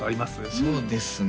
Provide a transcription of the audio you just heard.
そうですね